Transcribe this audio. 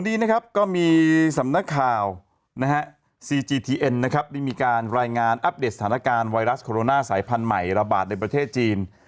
นี้มีการรายงานอัพเดทสถานการณ์ไวรัสโคโรน่าสายพันธุ์ใหม่ระบาดในประเทศจีน